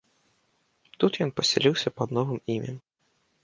Тут ён пасяліўся пад новым імем.